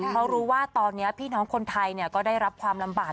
เพราะรู้ว่าตอนนี้พี่น้องคนไทยก็ได้รับความลำบาก